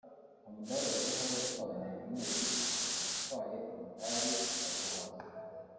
umudali wa zahabu watwawe na Emmanuel Kipsang yatwaye umudali wa zahabu